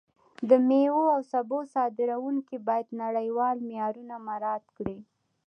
د میوو او سبو صادروونکي باید نړیوال معیارونه مراعت کړي.